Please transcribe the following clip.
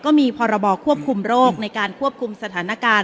ก็มีพรบควบคุมโรคในการควบคุมสถานการณ์